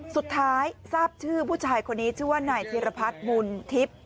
ทราบชื่อผู้ชายคนนี้ชื่อว่านายธิรพัฒน์มุนทิพย์